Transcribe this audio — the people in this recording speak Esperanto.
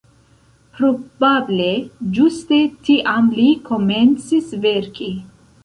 Probable ĝuste tiam li komencis verki.